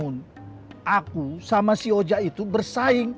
aku sama si oja itu bersaing